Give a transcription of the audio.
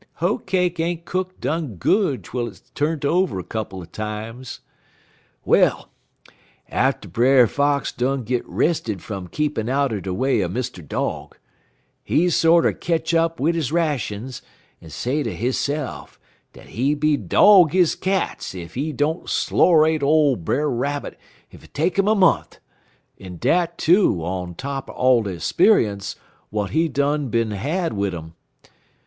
Hoe cake ain't cook done good twel hit's turnt over a couple er times. "Well, atter Brer Fox done git rested fum keepin' out er de way er Mr. Dog, en sorter ketch up wid his rations, he say ter hisse'f dat he be dog his cats ef he don't slorate ole Brer Rabbit ef it take 'im a mont'; en dat, too, on top er all de 'spe'unce w'at he done bin had wid um.